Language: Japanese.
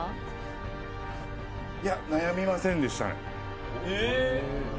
いや、悩みませんでしたね。